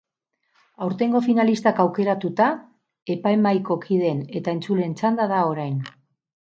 Aurtengo finalistak aukeratuta, epaimahaiko kideen eta entzuleen txanda da orain.